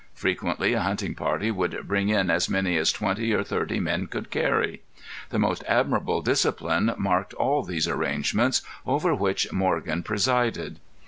Frequently a hunting party would bring in as many as twenty or thirty men could carry. The most admirable discipline marked all these arrangements, over which Morgan presided.